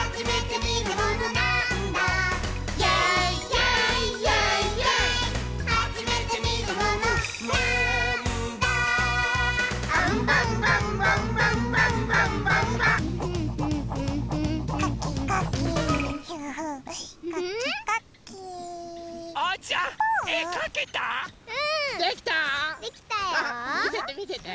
みせてみせて。